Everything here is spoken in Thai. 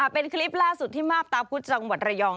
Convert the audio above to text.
เป็นคลิปล่าสุดที่มาบตาพุธจังหวัดระยอง